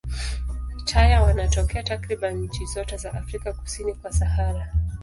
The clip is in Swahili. Taya wanatokea takriban nchi zote za Afrika kusini kwa Sahara.